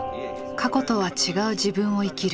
過去とは違う自分を生きる。